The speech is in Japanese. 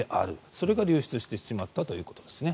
それが流出してしまったということですね。